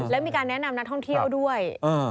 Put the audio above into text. และมีการแนะนำนักท่องเที่ยวด้วย